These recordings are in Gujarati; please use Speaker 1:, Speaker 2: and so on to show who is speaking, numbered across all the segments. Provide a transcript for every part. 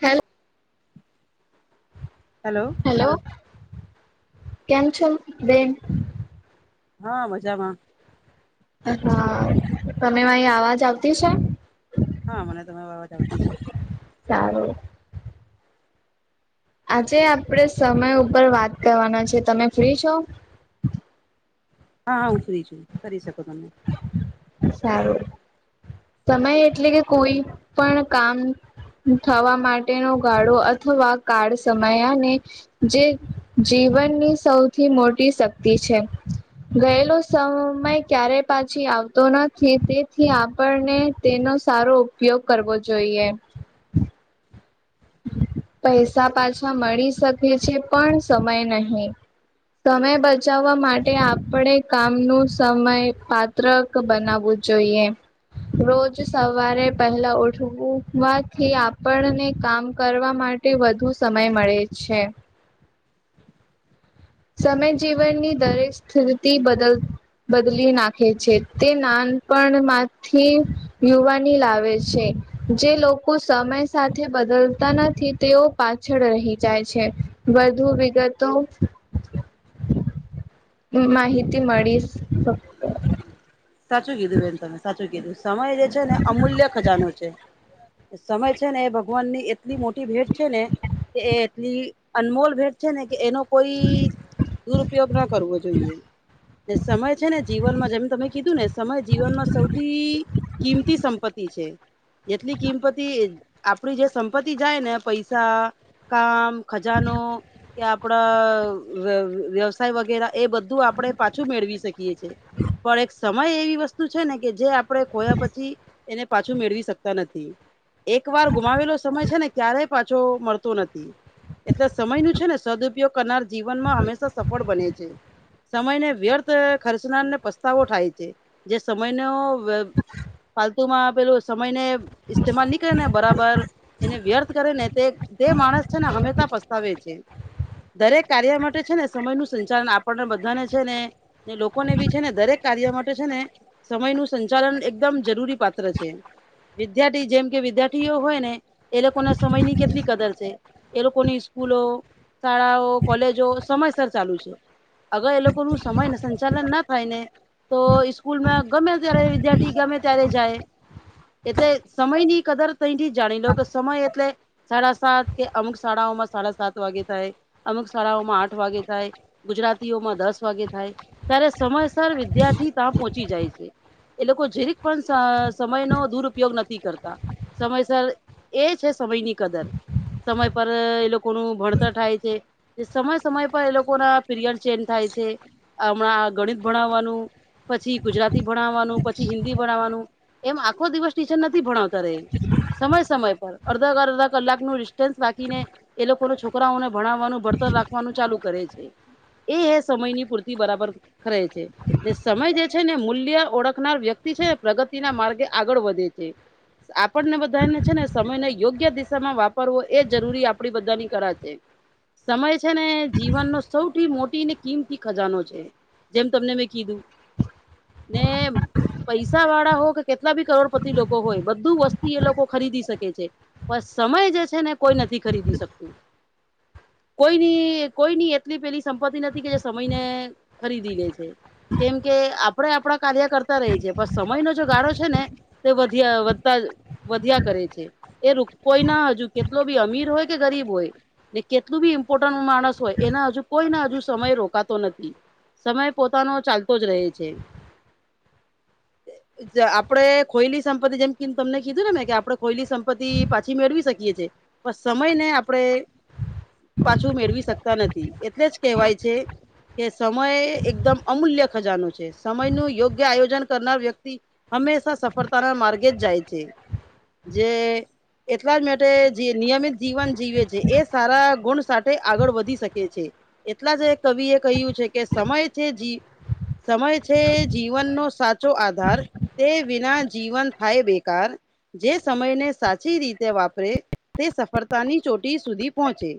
Speaker 1: હેલો.
Speaker 2: હલો.
Speaker 1: હેલો કેમ છો બેન.
Speaker 2: હા મજામાં.
Speaker 1: હા તમે અહીં અવાજ આવતી છે.
Speaker 2: હા મને તમે અવાજ આવતી છે.
Speaker 1: સારું. આજે આપણેે સમય ઉપર વાત કરવાના છે તમે ફ્રી છો.
Speaker 2: હા હા હું ફ્રી છું કરી શકો તમે.
Speaker 1: સારું. સમય એટલે કે કોઈ પણ કામ. થવા માટેનો ગાળો અથવા કાળ સમયાને. જે જીવનની સૌથી મોટી શક્તિ છે. ગયેલો સમય ક્યારે પાછી આવતો નથી તેથી. આપણને તેનો સારો ઉપયોગ કરવો જોઈએ. પૈસા પાછા મળી શકે છે પણ સમય નહી. સમય બચાવવા માટે આપણેે કામનું સમય પા. ત્રક બનાવવું જોઈએ. રોજ સવારે પહેલા ઉઠવાથી આપણને કામ. કરવા માટે વધુ સમય મળે છે. સમય જીવનની દરેક સ્થિતિ બદલ. બદલી નાખે છે તે નાનપણ માં. થી યુવાની લાવે છે જે લોકો સમય સાથે બદલતા નથી. તેઓ પાછળ રહી જાય છે વધુ વિગતો. હ માહિતી મળીશ. ઓકે.
Speaker 2: સાચું કીધું બેન તમે સાચું કીધું સમય જે છે ને અમૂલ્ય ખજાનો છે. સમય છે ને એ ભગવાન ની એટલી મોટી ભેટ છે ને કે એ. એટલી અનમોલ ભેટ છે ને કે એનો. કોઈ દુરુપયોગ ના કરવો જોઈએ જે સમય છે ને જીવનમાં જેમ તમે. કીધું ને સમય જીવનમાં સૌથી કિંમતી સંપત્તિ છે. જેટલી કિંમપતી આપડી જે સંપત્તિ જાય ને પૈસા. કામ ખજાનો. કે આપડા વ્યવસાય વગેરા એ બધું આપણે પાછું મેળવી શકીએ છીએ. પણ એક સમય એવી વસ્તુ છે ને કે જે આપણે ખોયા પછી. એને પાછું મેળવી શકતા નથી. એક વાર ગુમાવેલો સમય છે ને ક્યારેય પાછો મળતો નથી. એટલે સમય નું છે ને સદઉપયોગ કરનાર જીવનમાં હંમેશા સફળ બને છે. સમયને વ્યર્થ ખર્ચનારને પસ્તાવો થાય છે જે સમયનો. ફાલતુમાં પેલું સમય ને ઇસ્તેમાલ ની કરે ને બરાબર. એને વ્યર્થ કરે ને તે તે માણસ છે ને હંમેશા પસ્તાવે છે. દરેક કાર્ય માટે છે ને સમય નું સંચાલન આપણને બધાને છે ને. ને લોકોને બી છે ને દરેક કાર્ય માટે. છે ને સમય નું સંચાલન એકદમ જરૂરી પાત્ર છે. વિદ્યાર્થી જેમ કે વિદ્યાર્થીઓ હોય ને એ લોકો ના સમય ની કેટલી કદર છે. એ લોકોની સ્કૂલો, શાળાઓ, કોલેજો સમયસર ચાલુ છે. અગર એ લોકો નું સમય ને સંચાલન ના થાય ને. તો સ્કૂલમાં ગમે ત્યારે વિદ્યાર્થી ગમે ત્યારે જાય. એટલે સમય ની કદર ત થી જાણી લો કે સમય એટલે સાડા સાત કે અમુક શાળાઓમાં સાડા સાત વાગે થાય અમુક શાળાઓમાં આઠ વાગે થાય. ગુજરાતીઓમાં દસ વાગે થાય ત્યારે સમયસર વિદ્યાર્થી ત્યાં પોહોંચી જાય છે. એ લોકો જેરીક પણ સમય નો દુરુપયોગ નથી કરતા સમયસર એ છે સમયની કદર સમય પર એ લોકોનું ભણતર થાય છે. સમય સમય પર એ લોકો ના પીરિયડ ચેન્જ થાય છે હમણાં ગણિત ભણાવવાનું પછી ગુજરાતી ભણાવવાનું પછી હિન્દી ભણાવવાનું એમ આખો દિવસ ટીચર નથી ભણાવતા રે સમય સમય પર અડધા અ અડધા કલાકનું ડિસ્ટન્સ રાખીને એ લોકો ના છોકરાઓને ભણાવવાનું ભણતર રાખવાનું ચાલુ કરે છે. એ હે સમયની પૂરતી બરાબર કરરે છે. જે સમય જે છે ને મૂલ્ય ઓળખનાર વ્યક્તિ છે ને પ્રગતિના માર્ગે આગળ વધે છે. આપણને બધાને છે ને સમય ને યોગ્ય દિશામાં વાપરવો એ જરૂરી આપડી બધાની કરા છે. સમય છે ને જીવનનો સૌથી મોટી ને કિંમતી ખજાનો છે જેમ તમને મે કીધું [inaudible] નેમ પૈસા વાળા હો કે કેટલા બી કરોડપતિ લોકો હોય બધું વસ્તી એ લોકો ખરીદી શકે છે. પણ સમય જે છે ને કોઈ નથી ખરીદી શકતું કોઈની કોઈની એટલી પેલી સંપત્તિ નથી કે જે સમયને ખરીદી લે છે. કેમ કે આપડે આપણા કાર્ય કરતા રહી છેએ પણ સમય ન જો ગાળો છે ને તે વધિયા વધતા વધ્યા કરે છે એ કોઈ ના હજુ કેટલો બી અમીર હોય કે ગરીબ હોય. ને કેટલું બી ઇમ્પોર્ટન્ટ માણસ હોય એના હજુ કોઈને હજુ સમય રોકાતો નથી. સમય પોતાનો ચાલતો જ રહે છે.
Speaker 1: [inaudible]
Speaker 2: આપણેે ખોયલી સંપત્તિ જેમ તમને કીધું નેને કે આપડણે ખોયલી સંપત્તિ પાછી મેળવી શકીએ છીએ બસ સમય ને આપડણે પાછું મેળવી શકતા નથી એટલે જ કહેવાય છે કે સમયે એકદમ. અમૂલ્ય ખજાનું છે સમય નું યોગ્ય આયોજન કરનાર વ્યક્તિ હંમેશા સફળતાના માર્ગે જ જાય છે જે એટલા જ માટે જે નિયમિત જીવન જીવે છે એ સારા ગુણ સાથે આગળ વધી શકે છે. એટલા જ એક કવિ એ કહ્યું છે કે સમય છે જી સમય છે જીવનનો સાચો આધાર તે વિના જીવન થાય બેકાર જે સમયને સાચી રીતે વાપરે તે સફળતાની ચોટી સુધી પહોંચે.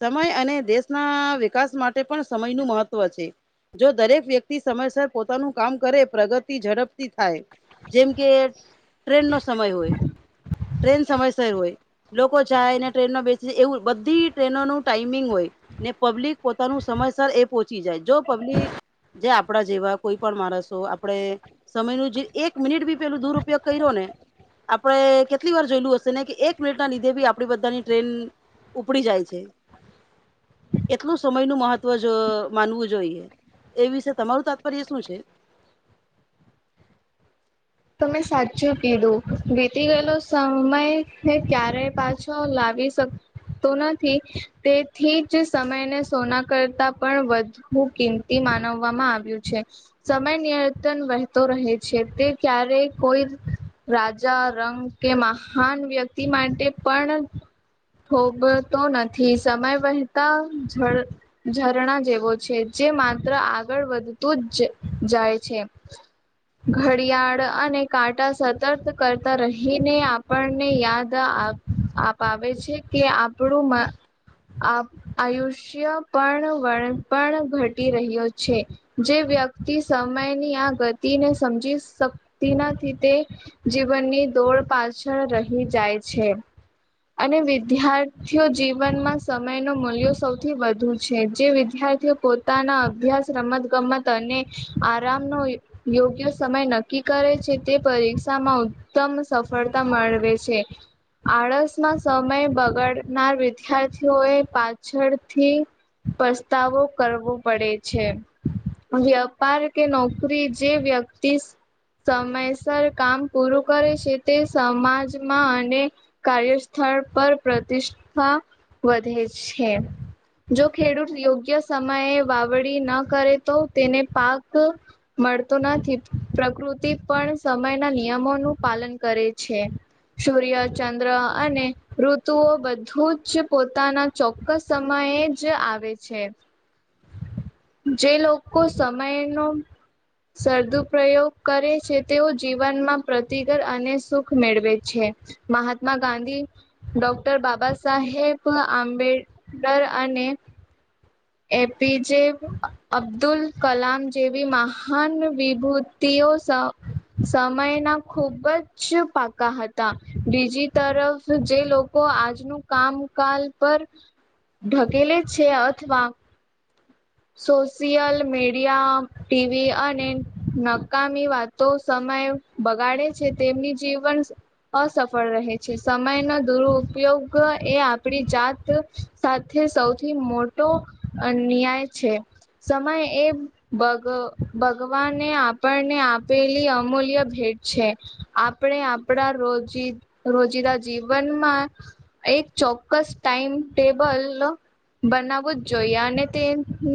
Speaker 2: સમય અને દેશના વિકાસ માટે પણ સમય નું મહત્વ છે જો દરેક વ્યક્તિ સમયસર પોતાનું કામ કરે પ્રગતિ ઝડપથી થાય જેમ કે ટ્રેન નો સમય હોય ટ્રેન સમયસર હોય. લોકો જાય ને ટ્રેનમાં બેસી એવું બધી ટ્રેનોનું ટાઈમિંગ હોય. ને પબ્લિક પોતાનું સમયસર એ પોહોંચી જાય જો પબ્લિક જે આપણા જેવા કોઈ પણ માણસો આપણે સમય ન જે એક મિનિટ બી પેલું દુરપયોગ કર્યો ને આપણે કેટલી વાર જોયેલું હશે ને કે એક મિનિટ ના લીધે બી આપડી બધાની ટ્રેન. ઉપડી જાય છે એટલું સમય નું મહત્વ માનવું જોઈએ. એ વિશે તમારું તાત્પર્ય શું છે.
Speaker 1: ત મેમે સાચું પીધું વીતી ગયેલો સમય એ ક્યારે પાછો લાવી શક. તો નથી તેથી જ સમયને સોના કરતા પણ વધુ. હું કિમતી માનવવામાં આવ્યું છે સમય નિયતન વહેતો રહે છે તે ક્યારે કોઈ રાજા રંગ કે મહાન વ્યક્તિ માટે પણ ભોગતો નથી સમય વહેતા જળ ઝરણા જેવો છે જે માત્ર આગળ વધતું જ જાય છે. ઘડિયાળ અને કાંટા સતર્કરતા રહીને આપણને યાદ આ આપાવે છે કે આપણું આ આયુષ્ય પણ વ પણ ઘટી રહ્યો છે. જે વ્યક્તિ સમયની આ ગતિને સમજી શક- તેનાથી તે જીવનની દોડ પાછળ રહી જાય છે. અને વિદ્યાર્થીઓ જીવનમાં સમય ન મૂલ્યો સૌથી વધુ છે જે વિદ્યાર્થીઓ પોતાના અભ્યાસ રમત ગમત અને આરામનો યોગ્ય સમય નક્કી નકી કરે છે તે પરીક્ષામાં ઉત્તમ સફળતા મેળવે છે. આળસમાં સમય બગાડનાર વિદ્યાર્થીઓ એ પાછળથી પસ્તાવો કરવો પડે છે. વેપાર કે નોકરી જે વ્યક્તિ સમયસર કામ પૂરું કરે છે તે સમાજમાં અને કાર્યસ્થળ પર પ્રતિષ્ઠા વધે છે. જો ખેડૂત યોગ્ય સમયે વાવડી ન કરે તો તેને પાક મળતો નથી પ્રકૃતિ તે પણ સમયના નિયમોનું પાલન કરે છે. સૂર્ય ચંદ્ર અને ઋતુઓ બધું જ પોતાના ચોક્કસ સમયે જ આવે છે. જે લોકો સમય નો સરદુ પ્રયોગ કરે છે તેઓ જીવનમાં પ્રતિક [inaudible] અને સુખ મેળવે છે. મહાત્મા ગાંધી ડોક્ટર બાબા સાહેબ આંબેડકર અને એપી જે અબ્દુલ કલામ જેવી મહાન વિભૂતિઓ સાથે સમયના ખુબ જ પાકા હતા બીજી તરફ જે લોકો આજનું કામકાલ પર ઢકેલે છે અથવા સોશિયલ મીડિયા ટીવી અને નકામી વાતો સમય બગાડે છે તેમની જીવન અસફળ રહે છે સમયનો દુરુપયોગ એ આપણી જાત સાથે સૌથી મોટો ન્યાય છે સમય એ બગ ભગવાને આપણને આપેલી અમૂલ્ય ભેટ છે. આપણે આપણા રોજી રોજીિદા જીવનમાં એક ચોક્કસ ટાાઈમ ટેબલ બનાવવું જ જોઈએ અને તે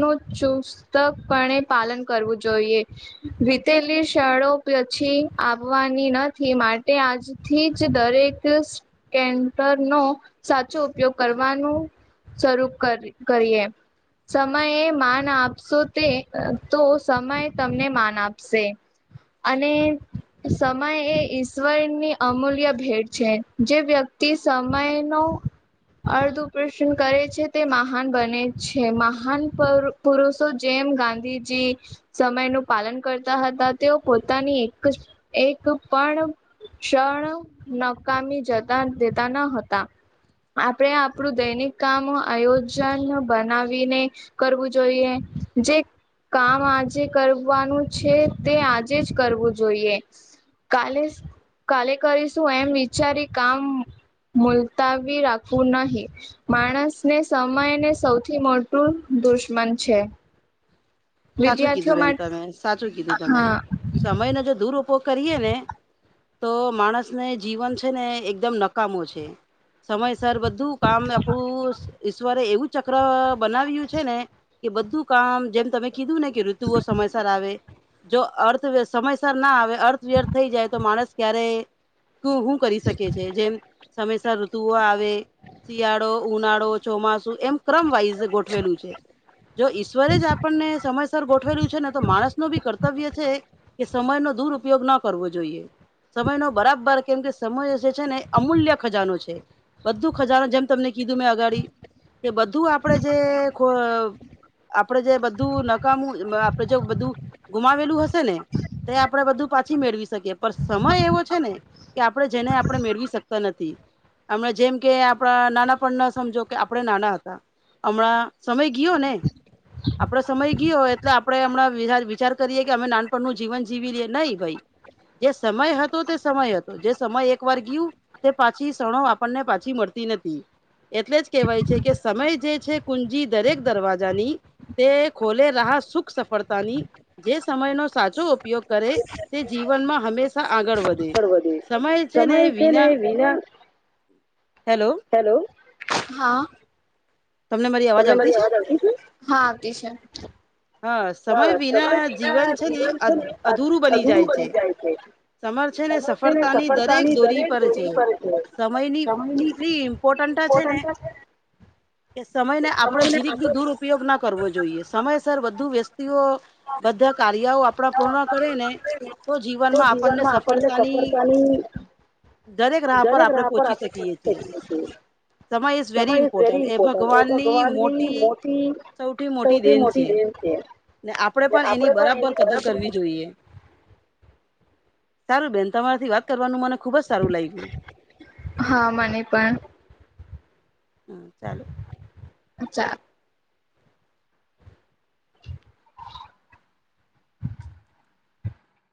Speaker 1: નું ચુસ્તપણે પાલન કરવું જોઈએ. વીતેલી શાળા પછી આવવાની નથી માટે આજથી જ દરેક ર નો સાચો ઉપયોગ કરવાનું સ્વરૂપ કરીએ. સમય માન આપશો તે તો સમય તમને માન આપશે. અને સમય એ ઈશ્વર ની અમૂલ્ય ભેટ છે જે વ્યક્તિ સમય નો અર્ધ ઉપષન કરે છે તે મહાન બને છે મહાન મહાન પર પુરુષો જેમ ગાંધીજી સમયનું પાલન કરતા હતા તેઓ પોતાની એક એક પણ ક્ષણ નકામી જતા દેતા ન હતા. આપણે આપણું દૈનિક કામ આયોજન બનાવીને કરવું જોઈએ, જે કામ આજે કરવાનું છે તે આજે જ કરવું જોઈએ. કાલે કાલે કરીશું એમ વિચારી કામ મુલતાવી રાખવું નહી માણસને સમયને સૌથી મો દુશ્મન છે.
Speaker 2: સાચું કીધું
Speaker 1: વિદ્યાર્થીઓ
Speaker 2: બેન
Speaker 1: માટે
Speaker 2: તમે સાચું કીધું તમે,
Speaker 1: હા.
Speaker 2: સમયનો જો દૂર ઉપયોગ કરીએ ને. તો માણસને જીવન છે ને એકદમ નકામો છે. સમયસર બધું કામ આપણું ઈશ્વરે એવું ચક્ર બનાવ્યું છે ને, કે બધું કામ જેમ તમે કીધું ને કે ઋતુઓ સમયસર આવે. જો અર્થવ્ય સમયસર ના આવે અર્થવ્યર્થ થઈ જાય તો માણસ ક્યારે શું કરી શકે છે જેમ સમયસર તુઓ આવે, શિયાળો ઉનાળો ચોમાસું. એમ ક્રમ વાઈઝ ગોઠવેલું છે, જો ઈશ્વરે જ આપણને સમયસર ગોઠવેલું છે ને તો માણસ ન ભી કર્તવ્ય છે કે સમય નો દુર ઉપયોગ ના કરવો જોઈએ. સમય નો બરાબર કેમ કે સમ છે ને અમૂલ્ય ખજાનો છે, બધું ખજાનો જેમ તમને કીધું મેં અગાડી. એ બધું આપડે જે આપડે જે બધું આપડે જો બધું ગુમાવેલું હશે ને, તો આપણેે બધું પાછી મેળવી શકીએ. પર સમય એવો છે ને, કે આપણે જેને આપણે મેળવી શકતા નથી. હમણા જેમ કે આપણા નાના પણ ના સમજો કે આપણે નાના હતા. હમણાં સમય ગયો ને, આપડો સમય ગ ગય એટલે આપડે હમણા વિચાર કરીએ કે અમે નાનપણ નું જીવન જીવી લઈએ નહી ભાઈ. જે સમય હતો તે સમય હતો જે સમય એક વાર ગયું. તે પાછી સણો આપણને પાછી મળતી નથી. એટલે જ કેહેવાય છે કે સમય જે છે કુંજી દરેક દરવાજાની તે ખોલે રહહ સુખ સફળતાની. જે સમયનો સાચો ઉપયોગ કરે, તે જીવનમાં હંમેશા આગળ વધે, સમય છે ને વિના હેલો.
Speaker 1: હેલો, હા. તમને મારી આવાજ આવતી છે? હા આવતી છે.
Speaker 2: હા સમય વિના જીવન છે ને અધૂરું બની જાય છે. સમર છે ને સફળતાની દરેક દોરી પર છે, સમય ની
Speaker 1: સમયની
Speaker 2: એટલી પોટનટા છે ને.
Speaker 1: હ [inaudible]
Speaker 2: કે સમય ને આપડે જીરીક બી દૂર ઉપયોગ ના કરવો જોઈએ સમય વધુ વ્યસ્તિઓ બધા કાર્યઓ આપણા પૂર્ણ કરે ને. તો જીવનમાં આપણને સફળતાની
Speaker 1: દરેક
Speaker 2: આપણે
Speaker 1: રાહ પર
Speaker 2: પહોંચી શકીએ છીએ.
Speaker 1: આપણે સમય ઇઝ વેરી ઇમ્પોર્ટન્ટ એ ભગવાનની મોટી સૌથી મોટી દેન છે.
Speaker 2: ને આપણે પણ એની બરાબર કદર કરવી જોઈએ. સારું બેન તમારાથી વાત કરવાનું મને ખુબ જ સારું લાગ્યું.
Speaker 1: હા મને પણ.
Speaker 2: હા ચાલું.
Speaker 1: અચ્છા.